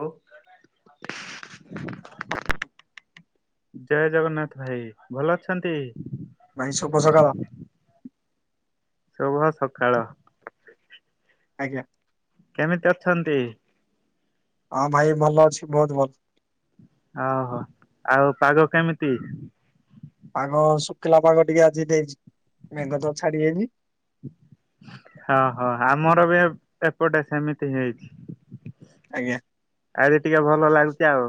Hello. ଜୟ ଜଗନ୍ନାଥ ଭାଇ। ଭଲ ଅଛନ୍ତି? ଭାଇ ଶୁଭସକାଳ। ଶୁଭ ସକାଳ। ଆଜ୍ଞା। କେମିତି ଅଛନ୍ତି? ହଁ ଭାଇ ଭଲ ଅଛି ବହୁତ ଭଲ୍। ଓହୋଃ, ଆଉ ପାଗ କେମିତି? ପାଗ ଶୁଖିଲା ପାଗ ଟିକେ ଆଜି ଦେଇଛି ମେଘ ତ ଛାଡି ଯାଇଛି। ହଁ-ହଁ ଆମର ବି ଏପ୍ ଏପଟେ ସେମିତି ହେଇଛି। ଆଜ୍ଞା। ଆରେ ଟିକେ ଭଲ ଲାଗୁଛି ଆଉ।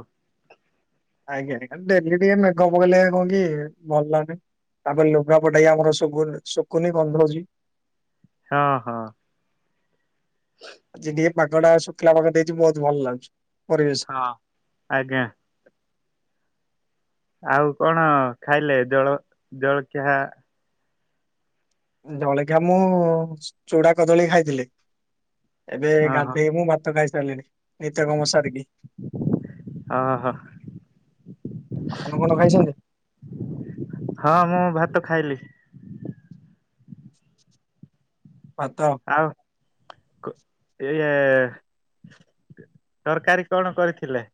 ଆଜ୍ଞା [inaudible] ଡେଲି ଟିକେ ମେଘ ପକେଇଲେ କଣ କି-ଇ-ଇ ଭଲ ଲାଗୁନି। ତା ପାଇଁ ଲୁଗାପଟା ବି ଆମର ଶୁଭୁନ୍ ଶୁଖୁନି ଗନ୍ଧଉଛି। ହଁ ହଁ। ଆଜି ଟିକେ ପାଗଟା ଶୁଖିଲା ପାାଗ ଦେଇଛିି ବହୁତ ଭଲ ଲାଗୁଛି, ପରିବେଶ। ହଁ ଆଜ୍ଞା। ଆଉ କଣ ଖାଇଲେ ଜଳ ଜଳଖିଆ? ଜଳଖିଆ ମୁଁ ଚୁଡା କଦଳୀ ଖାଇଥିଲି। ଏବେ ହଁ ହଁ ଗାଧେଇ ମୁଁ ଭାତ ଖାଇ ସାରିଲିଣିି ନିତ୍ୟକର୍ମ ସାରିକି। ଓ ହୋ। ଆପନ କଣ ଖାଇଚନ୍ତି? ହଁ ମୁଁ ଭାତ ଖାଇଲି। ଭାତ? ଆଉ କ ଇଏ ତରକାରୀ କଣ କରିଥିଲେ?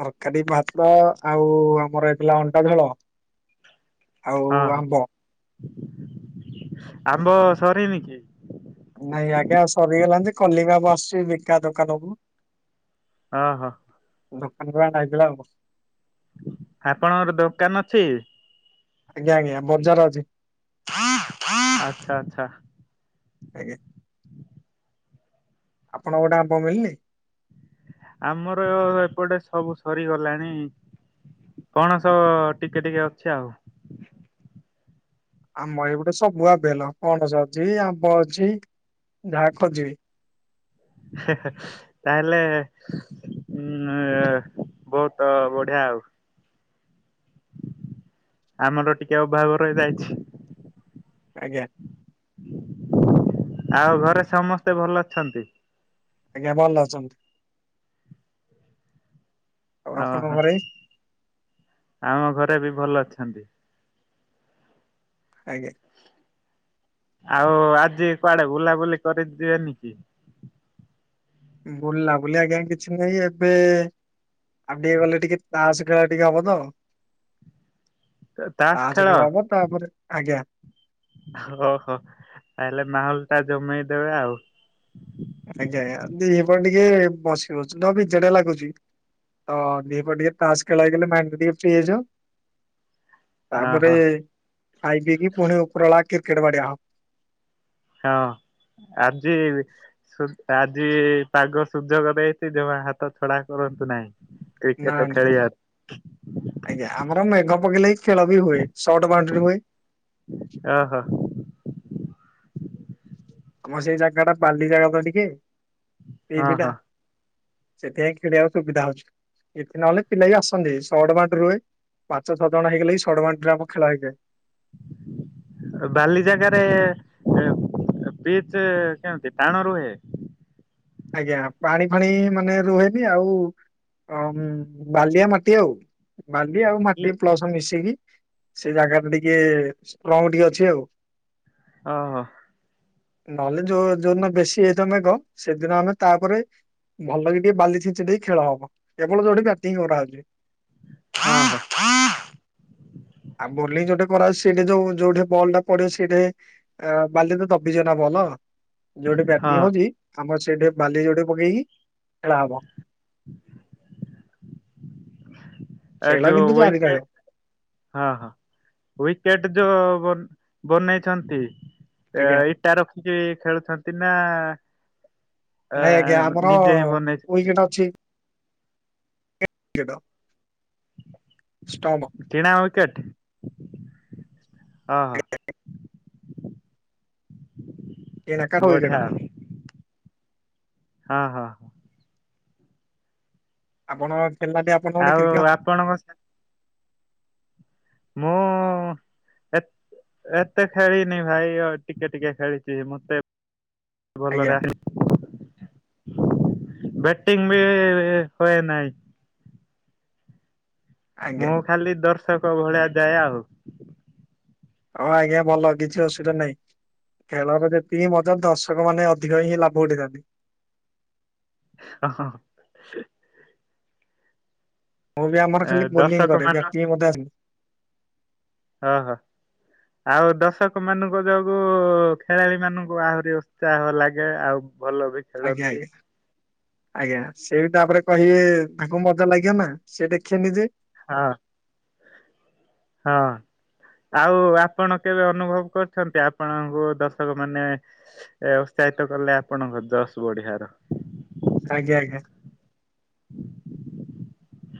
ତରକାରୀ ଭାତ ଆଉ ଆମର ହେଇଥିଲା ଅଣ୍ଡା ଝୋଳ। ଆଉ ହଁ ହଁ ଆମ୍ବ। ଆମ୍ବ ସରିନି କି? ନାଇଁ ଆଜ୍ଞା ସରିଗଲାଣି କଲିମି ଆମ୍ବ ଆସୁଛି ବିକା ଦୋକାନକୁ। ଓ ହୋ। ଦୋକାନରୁ ଆଇଥିଲା ଆଉ କଣ। ଆପଣଙ୍କର ଦୋକାନ ଅଛି? ଆଜ୍ଞା-ଆଜ୍ଞା ବଜାର ଅଛି। ଆଚ୍ଛା ଆଚ୍ଛା। ଆଜ୍ଞା। ଆପଣଙ୍କୁ ଆଡେ ଆମ୍ବ ମିଳିନି? ଆମର ଏପଟେ ସବୁ ସରିଗଲାଣି। ପଣସ-ଅ-ଅ ଟିକେ ଟିକେ ଅଛି ଆଉ। ଆମ ଏପଟେ ସବୁ ଆଭେଲ ପଣସ ଅଛି, ଆମ୍ବ ଅଛି ଯାହା ଖୋଜିବେ। ହେ ହେ। ତାହେଲେ ଉଁ-ଉଁ ଏ ବହୁତ ବଢିଆ ଆଉ। ଆମର ଟିକେ ଅଭାବ ରହିଯାଇଛି। ଆଜ୍ଞା। ଆଉ ଘରେ ସମସ୍ତେ ଭଲ ଅଛନ୍ତି? ଆଜ୍ଞା ଭଲ ଅଛନ୍ତି। ଆଉ ଆପଣଙ୍କ ଓହୋଃ, ଘରେ? ଆମ ଘରେ ବି ଭଲ ଅଛନ୍ତି। ଆଜ୍ଞା। ଆଉ ଆଜି କୁଆଡେ ବୁଲାବୁଲି କରି‌ ଯିବେନି କି? ବୁଲାବୁଲି ଆଜ୍ଞା କିଛି ନାହିଁ, ଏବେ-ଏ-ଏ ଆଉ ଟିକେ ଗଲେ ଟିକେ ତାସ୍ ଖେଳା ଟିକେ ହବ ତ ତାସ ଖେଳା ହବ ତାପରେ ଆଜ୍ଞା। ଓହୋ ତାହେଲେ ମାହଲ ଟା ଜମେଇ ଦେବେ ଆଉ। ଆଜ୍ଞା ଆଜ୍ଞା ଦିହିପର ଟିକେ ବସି ବସି ତ ବିଯେଡା ଲାଗୁଛି। ତ ଦିହିପର ଟିକେ ତାସ ଖେଳ ହେଇଗଲେ ମାଇଣ୍ଡ ଟିକେ ଫ୍ରି ହେଇଯାଉ। ତାପରେ ଓହୋ ଖାଇ ପିକି ପୁଣି ଉପର ବେଳା କ୍ରିକେଟ ବାଡିଆ ହବ। ହଁ ଆଜି ଆଜି ପାଗ ସୁଯୋଗ ଦେଇଛି ଜମା ହାତ ଛଡା କରନ୍ତୁ ନାହିଁ। କ୍ରିକେଟ ନାଇଁ ନାଇଁ। ଖେଳିବା ଆଜ୍ଞା ଆମର ମେଘ ପକେଇଲେ ଖେଳ ବି ହୁଏ ସର୍ଟ ବାଉଣ୍ଡରି ହୁଏ। ଓହୋ। ଆମର ସେଇ ଜାଗା ଟା ବାଲି ଜାଗା ତ ଟିକେ ହଁ ହଁ [unintelligible] ସେଥିପାଇଁ ଖେଳିବାକୁ ସୁବିଧାହେଉଛି। ଏଠି ନହେଲେ ପିଲା ବି ଆସନ୍ତି ଷଡ ବାଣ୍ଟରି ରୁହେ। ପାଞ୍ଚ ଛଅ ଜଣ ହେଇଗଲେ ଷଡ ବାଣ୍ଟରେ ଆମ ଖେଳ ହେଇଯାଏ। ହୁଁ ବାଲି ଜାଗାରେ ପିଚ କେମିତି ଟାଣ ରୁହେ? ଆଜ୍ଞା ପାଣି ଫାଣି ମାନେ ରୁହେନି ଆଉ ଅ ବାଲିଆ ମାଟି ଆଉ ବାଲି ଆଉ ମାଟି ପ୍ଲସ ମିଶିକି ସେ ଜାଗାରେ ଟିକେ ଷ୍ଟଙ୍ଗ ଟିକେ ଅଛି ଆଉ। ଓହୋ। ନହେଲେ ଯୋଉ ଯୋଉ ଦିନ ବେଶୀ ହେଇଥିବ ମେଘ ସେଦିନ ଆମେ ତାପରେ ଭଲ କି ଟିକେ ବାଲି ଛିଞ୍ଚି ଦେଇ ଖେଳ ହବ। କେବଳ ଯୋଉଠି ବ୍ୟାଟିଂ କରାହେଉଛି। [inaudible] ଆଉ ବୋଲିଂ ଯୋଉଟେ କରାହଉଛି। ସେଇଟେ ଯୋଉ ଯୋଉଠି ବଲ୍ ଟା ପଡିବ ସେଇଠେ ଆ ବାଲିରେ ଦବିଯିବ ନା ବଲ। ଯୋଉଠି ହଁ ବ୍ୟାଟିଙ୍ଗ ହଉଛି ଆମର ସେଇଠି ବାଲି ଯୋଡେ ପକେଇକି ଖେଳା ହବ। ଆ ଖେଳ ଯୋଉ କିନ୍ତୁ ଜାରି ୱେଟେ ରହିବ ହଁ ହଁ ୱିକେଟ ଯୋଉ ବନ ବନେଇଛନ୍ତି। ଆଜ୍ଞା। ଇଟା ରଖିକି ଖେଳୁଛନ୍ତି ନା ଆ ନାଇଁ ଆଜ୍ଞା ଆମର ନିଜେ ହିଁ ବନେଇଛନ୍ତି। ୱିକେଟ [unintelligible] ଷ୍ଟମ। କିଣା [unintelligible] ହଁ ହଁ। ଏନାକାର ୱିକେଟ ବଢିଆ ଆଉ ହଁ ହଁ। ଆପଣ ଖେଲି ନାହାନ୍ତି ଆପଣ ଗୋଟେ ଆଉ [unintelligible] ଆପଣଙ୍କ ସା ମୁଁ ଏ ଏତେ ଖେଳିନି ଭାଇ ଟିକେ ଟିକେ ଖେଳିଛି ମତେ ଆଜ୍ଞା ଭଲରେ ଆ ବ୍ୟାଟିଙ୍ଗ ବି ହୁଏ ନାହିଁ। ଆଜ୍ଞା ମୁଁ ଖାଲି ଦର୍ଶକ ଭଳିଆ ଯାଏ ଆଉ। ହଁ ଆଜ୍ଞା ଭଲ କିଛି ଅସୁବିଧା ନାହିଁ। ଖେଳର ଯେତିକି ମଜା ଦର୍ଶକ ମାନେ ଅଧିକ ହିଁ ଲାଭ ଉଠେଇଥାନ୍ତି। ହଁ ହଁ। ମୁଁ ବି ଆମର ଏ ଖାଲି ବୋଲିଂ ଦର୍ଶକ କରେ ମାନ ବ୍ୟାଟିଂ ମଧ୍ୟ ଆସିନି। ହଁ ହଁ। ଆଉ ଦର୍ଶକ ମାନଙ୍କ ଯୋଗୁ ଖେଳାଳି ମାନଙ୍କୁ ଆହୁରି ଉତ୍ସାହ ଲାଗେ ଆଉ ଭଲ ବି ଆଜ୍ଞା ଖେଳନ୍ତି ଆଜ୍ଞା। ଆଜ୍ଞା ସେଟା ତାପରେ କହିବେ ତାଙ୍କୁ ମଜା ଲାଗିବ ନା ସିଏ ଦେଖନି ଯେ। ହଁ ହଁ। ଆଉ ଆପଣ କେବେ ଅନୁଭବ କରିଛନ୍ତି ଆପଣଙ୍କୁ ଦର୍ଶକ ମାନେ ଏ ଉତ୍ସାହିତ କଲେ ଆପଣଙ୍କ ଜଶ ବଢିଆର। ଆଜ୍ଞା ଆଜ୍ଞା।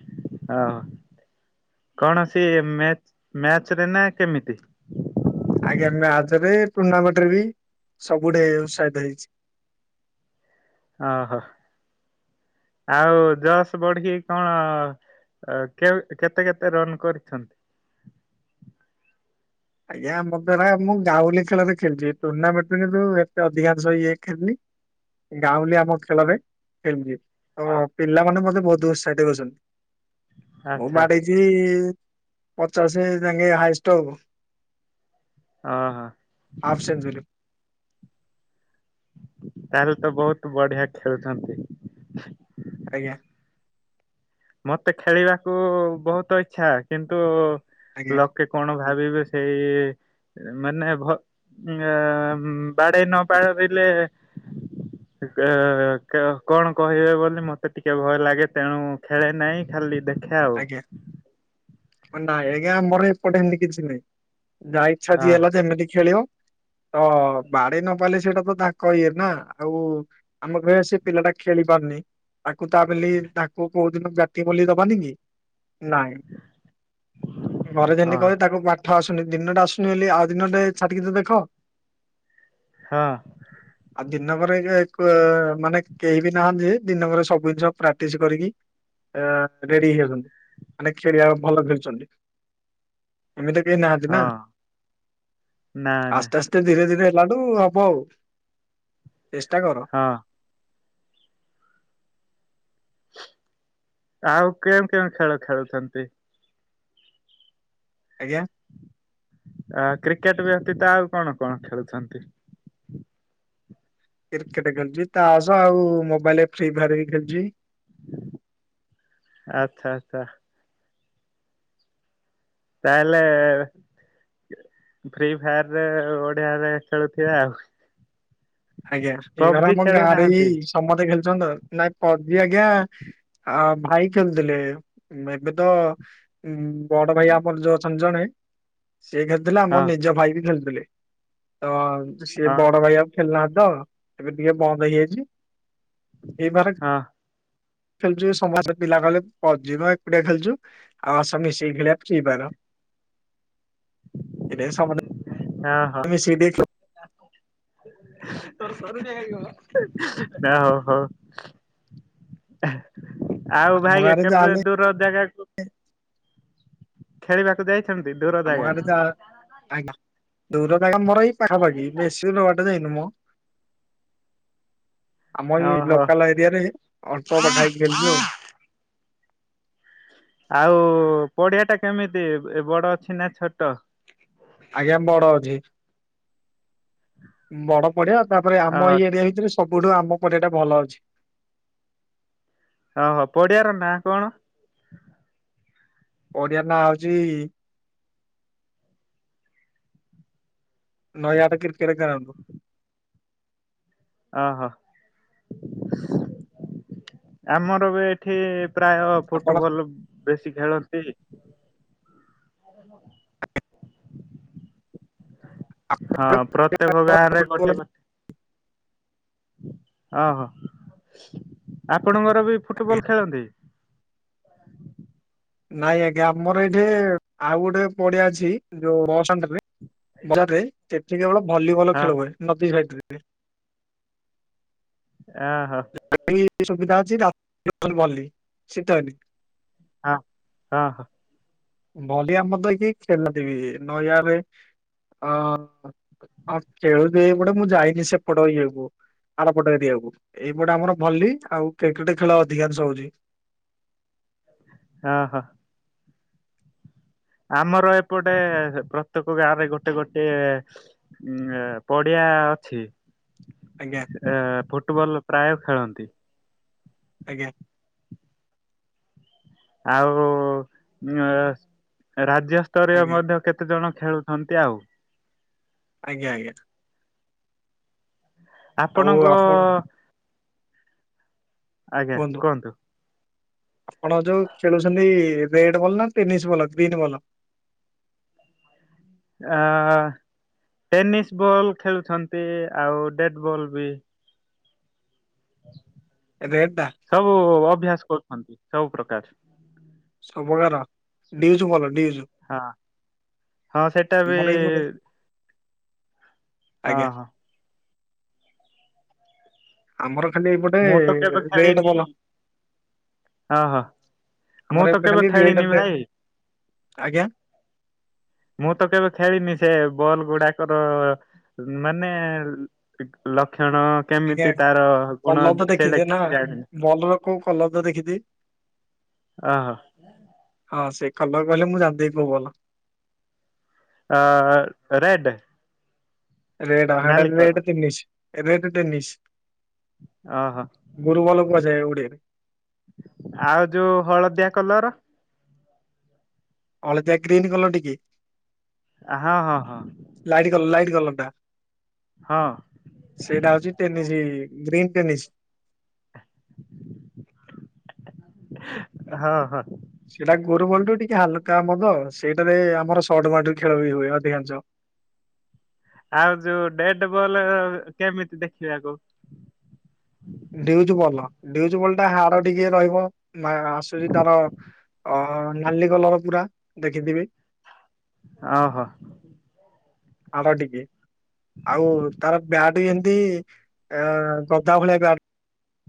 [inaudible] ଓ କଣବସିଏ ମ୍ୟାଚ ମ୍ୟାଚରେ ନା କେମିତି? ଆଜ୍ଞା ମ୍ୟାଚରେ ଟୁର୍ଣ୍ଣାମେଣ୍ଟ ରେ ବି ସବୁ ଗଡେ ଉତ୍ସାହିତ ହେଇଛି। ଓହୋ ଆଉ ଜସ୍ ବଢିକି କଣ ଆ କେ କେତେ କେତେ ରନ୍ କରିଛନ୍ତି? ଆଜ୍ଞା ମୋ ଦ୍ଵାରା ମୁଁ ଗାଉଲି ଖେଳରେ ଖେଳିଛି ଟୁର୍ଣ୍ଣାମେଣ୍ଟ ଏତେ ଅଧିକାଂଶ ଇଏ ଖେଳିଲି। ଗାଁଉଲି ଆମ ଖେଳରେ ଖେଳଛି। ଓ ହଁ ପିଲାମାନେ ମତେ ବହୁତ ଉତ୍ସାହିତ କରଛନ୍ତି ମୁଁ ଆଚ୍ଛା ମାଡେଇ କି ପଚାଶ ଯାଙ୍କେ ହାଇଷ୍ଟ ହବ। ଓହୋ। Half century. ତାହେଲେ ତ ବହୁତ ବଢିଆ ଖେଳୁଛନ୍ତି। ଆଜ୍ଞା। ମତେ ଖେଳିବାକୁ ବହୁତ ଇଚ୍ଛା କିନ୍ତୁ ଆଜ୍ଞା ଲୋକେ କଣ ଭାବିବେ ସେଇ ଇଏ ମାନେ ଘ ବାଡେଇ ନ ପାରିଲେ କଣ କହିବେ ବୋଲି ମତେ ଟିକେ ଭୟ ଲାଗେ ତେଣୁ ଖେଳେ ନାହିଁ ଖାଲି ଦେଖେ। ଆଉ। ଆଜ୍ଞା କ ଆଜ୍ଞା ଆମର ଏପଟେ ଏମତି କିଛି ନାହିଁ। ଯାହା ଇଚ୍ଛା ଅ ଯିଏ ହେଲା ଯେମିତି ଖେଳିବ। ତ ବାଡେଇ ନପାରିଲେ ସେଇଟା ତ ତାଙ୍କ ଇଏ ନା ଆମେ କହିବା ସେ ପିଲା ଟା ଖେଳି ପାରୁନି ତାକୁ ତା ବଲି ତାଙ୍କୁ କୋଉ ଦିନ ବ୍ୟାଟି ବୋଲି ଦବାନି କି? ନାଇଁ ଘରେ ଯେମତି ହଁ କ ତାକୁ ବା ପାଠ ଆସୁନି ଦିନଟା ଆସୁନି ବୋଲି ଆଉ ଦିନଟେ ଛାଡ଼ିକି ତ ଦେଖ? ହଁ। ଆଉ ଦିନ କରେ ମାନେ କେହି ବି ନାହାନ୍ତି ଯେ ଦିନ କରେ ସବୁ ଜିନିଷ ପ୍ରାକ୍ଟିସ କରିକି ଆ ରେଡି ହେଇଯାଉଛନ୍ତି ମାନେ ଖେଳିିବା ଭଲ ଖେଳଛନ୍ତି। ଏମିତି କେହି ନାହାନ୍ତି ହଁ ନା ନା ନା ଆସ୍ତେ ଆସ୍ତେ ଏତେ ଧୀରେ ଧୀରେ ହେବା ଠୁ ହବ ଆଉ ଚେଷ୍ଟା କର। ହଁ। ଆଉ କେଉଁ କେଉଁ ଖେଳ ଖେଳୁଛନ୍ତି? ଆଜ୍ଞା। ଆ କ୍ରିକେଟ ବ୍ୟତୀତ ତ ଆଉ କଣ କଣ ଖେଳୁଛନ୍ତି? କ୍ରିକେଟ ଖେଳୁଛି, ତାସ ଆଉ ମୋବାଇଲ ଫ୍ରି ଫାୟାର ହେଇ ଖେଳୁଛି। ଆଚ୍ଛା ଆଚ୍ଛା। ତାହେଲେ ଫ୍ରି ଫାୟାରରେ ଓଡିଆରେ ଖେଳୁଥିବେ ଆଉ। ଆଜ୍ଞା ଏଇ ଘରେ ପବଜି ଆମ ଗାଁରେ ହିଁ ଖେଳୁନାହାନ୍ତି? ହେଇଚି। ସମସ୍ତେ ଖେଳଛନ୍ତି ତ ନାଇଁ ପଜି ଆଜ୍ଞା ଆ ଭାଇ [unintelligible] ଏବେ ତ ଉ ବଡ ଭାଇ ଆମର ଯୋଉ ଅଛ ନ୍ତି ଜଣେ ସିଏ ଖେଳୁଥିଲେ ଆ ହଁ ମର ନିଜ ଭାଇ ବି ଖେଳୁଥିଲେ। ତ ସିଏ ହଁ ବଡ ଭାଇ ଆଉ ଖେଳୁନାହାନ୍ତି ତ ଏବେ ଟିକେ ବନ୍ଦ ହେଇଯାଇଚି ହେପରେ ହଁ। ଖେଳଛୁ ସମସ୍ତେ ପିଲା କଲେ ଅଜୁ ଏକୁଟିଆ ଖେଳଚୁ ଆଉ ଆସ ମିଶି କି ଖେଳିବା ଫ୍ରୀଫାୟାର [inaudible] ଏଇ ଟା ସମୟ [unintelligible] ନା ହଁ। ନା ହଁ ହଁ। ଆଉ ଆମ ଭାଇ ଗାଁରେ କେବେ ଯାହାହେଲେ ଦୂର ଜାଗା ଖେଳିବାକୁ ଯାଇ ଦୂର [unintelligible] ଆମ ଗାଟେ ଯା ଆଜ୍ଞା ଦୂର ଯା ମୋର ଏଇ ପାଖାପାଖି ବେଶୀ ଦୂର ବାଟ ଯାଇନୁ ମ [inaudible] ଆମ ଏଇ ଓହୋ ଲୋକାଲ ଏରିଆରେ ଅଳ୍ପ [unintelligible] ଖେଳୁଛୁ ଆଉ। ଆଉ ପଡିଆ ଟା କେମିତି ବଡ ଅଛି ନା ଛୋଟ? ଆଜ୍ଞା ବଡ ଅଛି। ବଡ ପଡିଆ ତାପରେ ଆମ ଏଇ ଓହୋ ଏରିଆ ଭିତରେ ସବୁଠୁ ଆମ ପଡିଆ ଟା ଭଲ ଅଛି। ଓହୋ ପଡିଆର ନାଁ କଣ? ପଡିଆ ର ନାଁ ହଉଚି ନଈଆଠ କ୍ରିକେଟ ଗ୍ରାଉଣ୍ଡ। ଓହୋ ଆମର ବି ଏ ଏଠି ପ୍ରାୟ ଆପଣ ଫୁଟବଲ ବେଶୀ ଖେଳନ୍ତି ହଁ ସେପଟେ ପ୍ରତ୍ୟେକ ଗାଁ ରେ ଫୁଟବଲ ଗୋଟେ ଗୋଟେ ଓହୋ ଆପଣଙ୍କର ବି ଖେଳିବେ? ଫୁଟବଲ ଖେଳନ୍ତି? ନାଇଁ ଆଜ୍ଞା ଆମର ଏଇଠି ଆଉ ଗୋଟେ ପଡିଆ ଅଛି ଯୋଉ [unintelligible] ବଜାରରେ ସେଠି କେବଳ ଭଲିବଲ ହଁ ଖେଳ ହୁଏ ନଦୀ ସାଇଟରେ ଆହୋ ସୁବିଧା ଅଛି [unintelligible] ଆ ଆହ ଭଲି ଆମର ତ କିଏ ଖେଳିଲଥିବି ନୟା ରେ ଅ ହଁ [unintelligible] ଏଇପୋଟେ ମୁଁ ଯାଇନି ସେପଟ ଇଏକୁ ଆରପଟ ଏରିଆକୁ ଏଇପଟେ ଆମର ଭଲି ଆଉ କ୍ରିକେଟ ଖେଳ ଅଧିକାଂଶ ହଉଚି। ହ ହ। ଆମର ଏପଟେ ପ୍ରତ୍ୟେକ ଗାଁ ରେ ଗୋଟେ ଗୋଟେ ଏ ଉଁ ପଡିଆ ଅଛି। ଆଜ୍ଞା। ଏଁ ଫୁଟବଲ୍ ପ୍ରାୟ ଖେଳନ୍ତି। ଆଜ୍ଞା। ଆଉ ରାଜ୍ୟସ୍ତରୀୟ ଆଜ୍ଞା ମଧ୍ୟ କେତେ ଜଣ ଖେଳୁଛନ୍ତି ଆଉ ଆଜ୍ଞା ଆଜ୍ଞା। ଆଉ ଆପଣଙ୍କ ଆପଣ ଆଜ୍ଞା କୁହନ୍ତୁ। ଆପଣ ଯୋଉ ଖେଳୁଛନ୍ତି ରେଡ ବଲ ନା ଟେନିସ୍ ବଲ ଗ୍ରୀନ ବଲ। ଆ ଟେନିସ୍ ବଲ୍ ଖେଳୁଛନ୍ତି ଆଉ ଡେଟ ବଲ୍ ବି। ରେଡେ ଟା। ସବୁ ଅଭ୍ୟାସ କରୁଛନ୍ତି ସବୁ ପ୍ରକାର। ସବକାର ଡିଉଜୁ ଭଲ ଡିଜୁ। ହଁ ହଁ ସେଇଟା ବି ଆମର ଏଇପଟେ ହଁ ଆଜ୍ଞା ହଁ। ଆମର ଖାଲି ଏଇପଟେ ମୁଁ ତ କେବେ ରେଡ ଖଳିନି। ବଲ ହ ହ ମୁଁ ଆମର ତ ଏଇପଟେ କେବେ ଖାଲି ରେଡ ଖେଳିନି ଭାଇ। ଆଜ୍ଞା। ମୁଁ ତ କେବେ ଖେଳିିନି ସେ ବଲ୍ ଗୁଡାକର ମାନେ ଲକ୍ଷଣ ଆଜ୍ଞା କେମିତି ତାର ଗୁଣ କଲର ତ ସେଇଟା ଦେଖିଛେ ନା କିଛି ଜାଣିନି। ବଲର କୋଉ କଲବ୍ଦ ଦେଖିଥିବେ। ଅହ। ହଁ ସେ କଲର କହିଲେ ମୁଁ ଯାଣଦେବି କୋଉ ବଲ। ଅ ରେଡ଼େ। ରେଡ ରେଡ କଲର ରେଡେ ଟେନିସ୍ ରେଡେ ଟେନିସ୍। ଓହୋ ଗୁରୁ ବଲ କୁହାଯାଏ ଓଡିଆ ରେ। ଆଉ ଯୋଉ ହଳଦିଆ କଲର। ହଳଦିଆ ଗ୍ରୀନ୍ କଲର ଟିକେ। ଆ ହଁ ହଁ। ଲାଇଟି କଲ ଲାଇଟି କଲର ଟା। ହଁ। ସେଇଟା ହଉଛି ଟେନିସ ଗ୍ରୀନ୍ ଟେନିସ। ହଁ ହଁ। ସେଇଟା ଗୋରୁ ବଲଠୁ ଟିକେ ହାଲକା ହବତ ସେଇଟାରେ ଆମର ସଟବାଟ ଖେଳ ବି ହୁଏ ଅଧିକାଂଶ। ଆଉ ଯୋଉ ଡେଟେ ବଲ କେମିତି ଦେଖିବାକୁ। ଡିଉଜ ବଲ୍ ଡିଉଜ ବଲ ଟା ହାଡ ଟିକେ ରହିବ ନା ଆସୁଛି ତାର ଅ ନାଲି କଲର ପୁରା ଦେଖିଥିବେ। ଆ ହ। ହାଡ ଟିକେ ଆଉ ତାର ବ୍ୟାଟ ବି ଏମତି ଅ ଗଦା ଭଳିଆ ବ୍ୟାଟ।